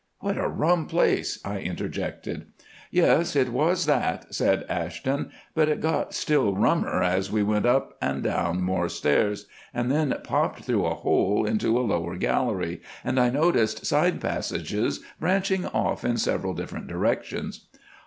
"What a rum place," I interjected. "Yes, it was that," said Ashton, "but it got still rummer as we went up and down more stairs, and then popped through a hole into a lower gallery, and I noticed side passages branching off in several different directions.